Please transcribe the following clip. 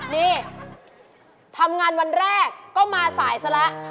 เฮ้ยทำงานวันแรกก็มาสายซะละ